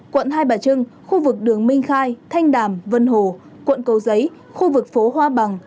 quận hai bà trưng khu vực đường minh khai thanh đàm vân hồ quận cầu giấy khu vực phố hoa bằng